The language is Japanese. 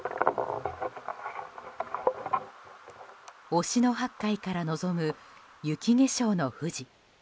忍野八海から望む雪化粧の富士。